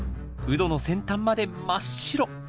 ウドの先端まで真っ白！